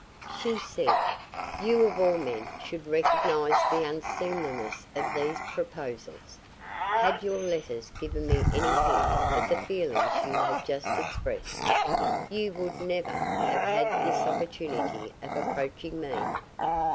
"She said, 'You of all men should recognise the unseemliness of these proposals. Had your letters given me any hint of the feelings you have just expressed, you would never have had this opportunity of approaching me.